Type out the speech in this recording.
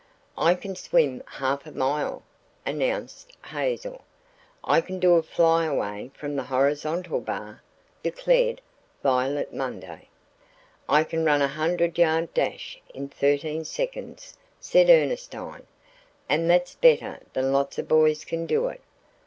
"I can swim half a mile," announced Hazel. "I can do a fly away from the horizontal bar," declared Violet Munday. "I can run a hundred yard dash in thirteen seconds," said Ernestine; "and that's better than lots of boys can do it."